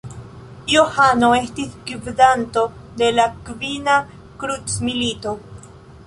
Johano estis gvidanto de la Kvina Krucmilito.